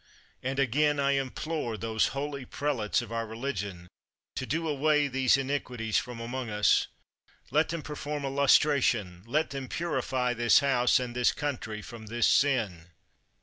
And I again implore those holy prelates of our re ligion to do away these iniquities from among us. Let them perform a lustration; let them purify this House, and this country, from this sin.